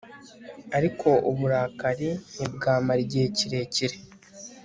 ariko uburakari ntibwamara igihe kirekire